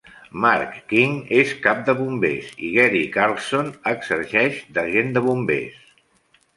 Mark King és cap de bombers i Gary Carlson exerceix d'agent de bombers.